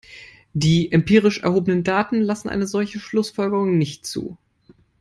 Die empirisch erhobenen Daten lassen eine solche Schlussfolgerung nicht zu.